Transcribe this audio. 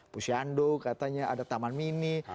pusyandu katanya ada taman mini